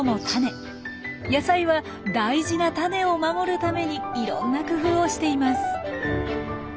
野菜は大事なタネを守るためにいろんな工夫をしています。